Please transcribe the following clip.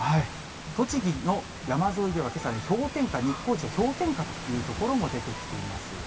栃木の山沿いでは、けさ、氷点下、日光市は氷点下という所も出てきています。